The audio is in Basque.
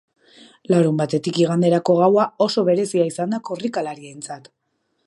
Larunbatetik iganderako gaua oso berezia izan da korrikalarientzat.